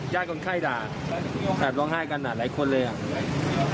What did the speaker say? ยาคนไข้ด่าสาธารณะร้องไห้กันหรอหลายคนเลยอ่ะ